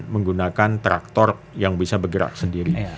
menggunakan traktor yang bisa bergerak sendiri